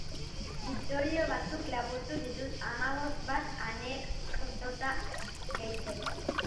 Istorio batzuk laburtu ditut, hamabost bat anekdota gehitzeko.